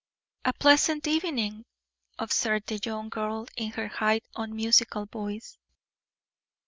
"A pleasant evening," observed that young girl in her high, unmusical voice.